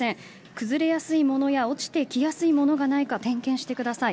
崩れやすいものや落ちてきやすいものがないか点検してください。